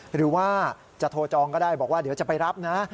หรือว่าจะโทรจองก็ได้บอกว่าเดี๋ยวจะไปรับนะ